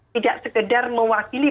tidak sekedar mewakili